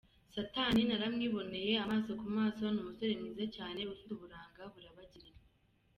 Satani naramwiboneye amaso ku maso, ni umusore mwiza cyane ufite uburanga burabagirana.